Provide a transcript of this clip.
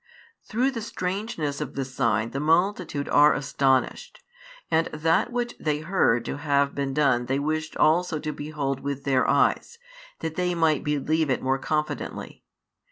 Through the strangeness of the sign the multitude are astonished; and that which they heard to have been done they wished also to behold with their eyes, that they might believe it more confidently.